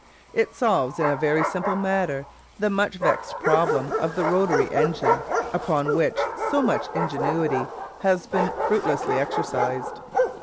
It solves in a very simple manner the much vexed problem of the rotary engine, upon which so much ingenuity has been fruitlessly exercised.